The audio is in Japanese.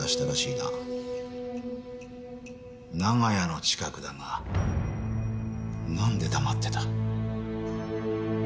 長屋の近くだがなんで黙ってた？